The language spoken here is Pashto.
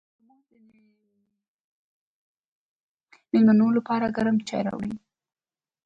ترموز د ناوې د مېلمنو لپاره ګرم چای راوړي.